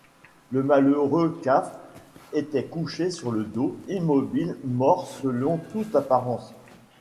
Le malheureux Cafre était couché sur le dos, immobile, mort selon toute apparence.